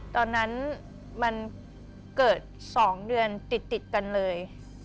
ตอนนั้นมันเกิด๒เดือนติดกันเลย